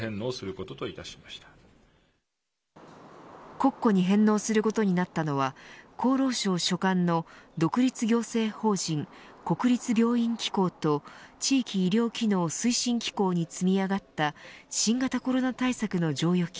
国庫に返納することになったのは厚労省所管の独立行政法人国立病院機構と地域医療機能推進機構に積み上がった新型コロナ対策の剰余金